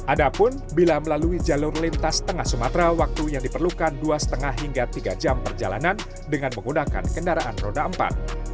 adapun bila melalui jalur lintas tengah sumatera waktu yang diperlukan dua lima hingga tiga jam perjalanan dengan menggunakan kendaraan roda empat